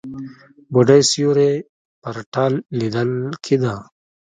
بوډۍ سيوری پر تاټ ليدل کېده.